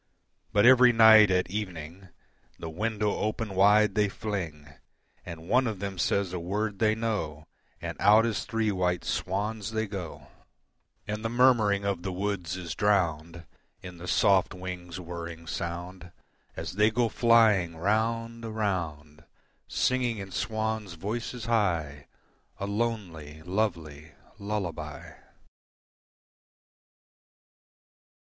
But every night at evening. The window open wide they fling, And one of them says a word they know And out as three white swans they go, And the murmuring of the woods is drowned In the soft wings' whirring sound, As they go flying round, around, Singing in swans' voices high A lonely, lovely lullaby.